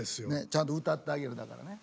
ちゃんと歌ってあげるだからね。